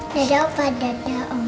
dadah pak dadah om